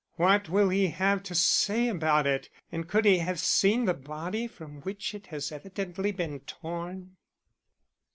What will he have to say about it? and could he have seen the body from which it has evidently been torn?"